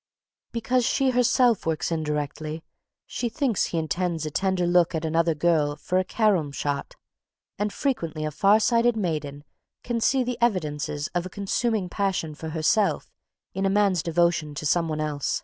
Because she herself works indirectly, she thinks he intends a tender look at another girl for a carom shot, and frequently a far sighted maiden can see the evidences of a consuming passion for herself in a man's devotion to someone else.